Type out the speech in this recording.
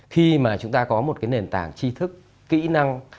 khi mà chúng ta có một cái nền tảng chi thức kỹ năng